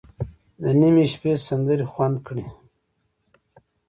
د نیمې شپې سندرې خوند کړي.